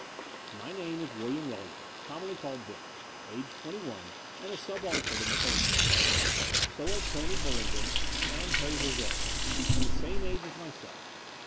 My name is William Wellingham, commonly called "Bill," aged twenty one, and a subaltern in the Coldstreams. So are Tony Bullingdon and Harry Verjoyce, and the same age as myself.